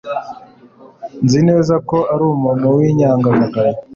nzi neza ko ari umuntu w'inyangamugayo